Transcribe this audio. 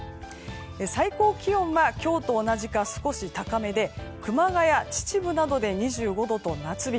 最高気温は今日と同じか少し高めで熊谷、秩父などで２５度と夏日。